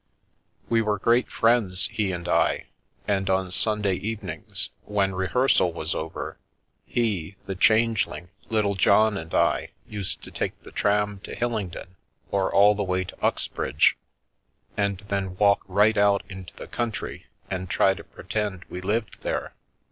We were great friends, he and I, and on Sunday evenings, when re hearsal was over, he, the Changeling, Littlejohn and I, used to take the tram to Hillingdon or all the way to Uxbridge, and then walk right out into the country and try to pretend we lived there.